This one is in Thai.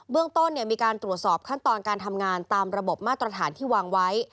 เรื่องต้นมีการตรวจสอบขั้นตอนการทำงานตามระบบมาตรฐานที่วางไว้